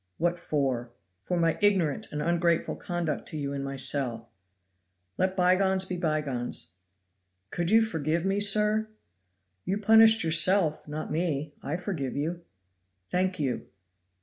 "What for!" "For my ignorant and ungrateful conduct to you in my cell." "Let bygones be bygones!" "Could you forgive me, sir?" "You punished yourself, not me; I forgive you." "Thank you."